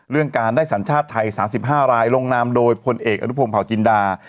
เรื่องการได้สัญชาติไทย๓๕รายลงนามโดยพลเอกอนุพงศ์เผาจินดา